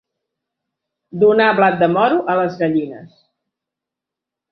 Donar blat de moro a les gallines.